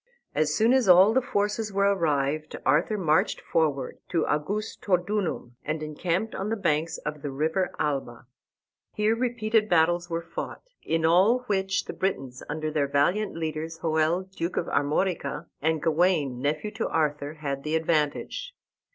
As soon as all the forces were arrived Arthur marched forward to Augustodunum, and encamped on the banks of the river Alba. Here repeated battles were fought, in all which the Britons, under their valiant leaders, Hoel, Duke of Armorica, and Gawain, nephew to Arthur, had the advantage.